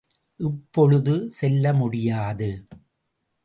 இப்பொழுது செல்ல முடியாது.